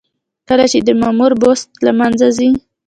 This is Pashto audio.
کله چې د مامور بست له منځه ځي.